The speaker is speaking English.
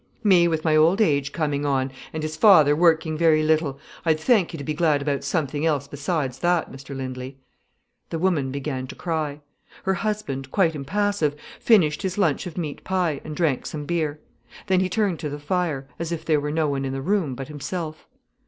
"Me with my old age coming on, and his father working very little! I'd thank you to be glad about something else besides that, Mr Lindley." The woman began to cry. Her husband, quite impassive, finished his lunch of meat pie, and drank some beer. Then he turned to the fire, as if there were no one in the room but himself.